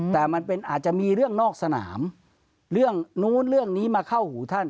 แต่มันเป็นอาจจะมีเรื่องนอกสนามเรื่องนู้นเรื่องนี้มาเข้าหูท่าน